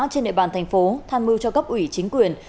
trên địa bàn thành phố tham mưu cho cấp ủy chính quyền